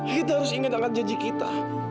kita harus ingat angkat janji kita